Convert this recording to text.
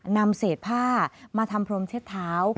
นำเศษผ้ามาทำพรมเช็ดเท้า